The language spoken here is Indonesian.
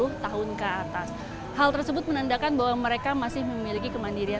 dalam usia enam puluh tahun ke atas hal tersebut menandakan bahwa mereka masih memiliki kemandirian